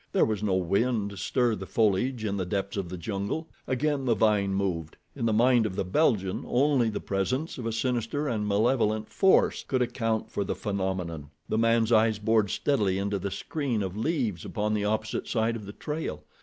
There was no wind to stir the foliage in the depths of the jungle. Again the vine moved. In the mind of the Belgian only the presence of a sinister and malevolent force could account for the phenomenon. The man's eyes bored steadily into the screen of leaves upon the opposite side of the trail.